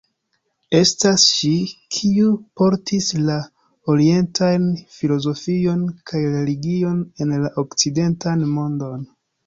Estas ŝi, kiu portis la orientajn filozofion kaj religion en la okcidentan mondon.